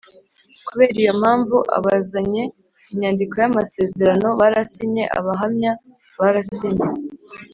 Kubera iyo mpamvu abazanye inyandiko y amasezerano barasinye abahamya barasinye